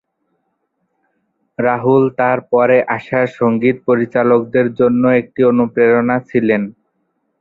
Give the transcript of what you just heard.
রাহুল তার পরে আসা সঙ্গীত পরিচালকদের জন্য একটি অনুপ্রেরণা ছিলেন।